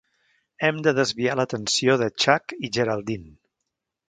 Hem de desviar l'atenció de Chuck i Geraldine.